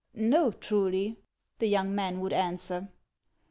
" No, truly," the young man would answer.